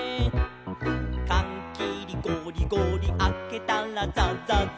「かんきりゴリゴリあけたらザザザ」